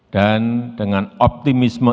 dan dengan optimisme